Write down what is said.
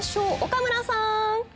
岡村さん。